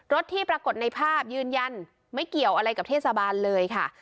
ที่ปรากฏในภาพยืนยันไม่เกี่ยวอะไรกับเทศบาลเลยค่ะ